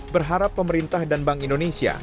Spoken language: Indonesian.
berharap pemerintah dan bank indonesia